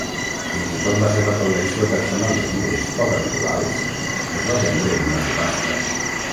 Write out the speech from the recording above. Fins i tot la seva col·lecció personal de llibres poc habituals es va vendre en una subhasta.